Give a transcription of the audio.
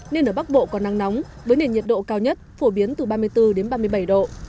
nên ở bắc bộ có nắng nóng với nền nhiệt độ cao nhất phổ biến từ ba mươi bốn đến ba mươi bảy độ